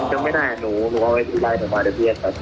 จำไม่ได้อ่ะหนูหนูเอาไลน์หนูมาเดี๋ยวเรียนป่ะ